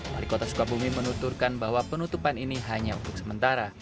wali kota sukabumi menuturkan bahwa penutupan ini hanya untuk sementara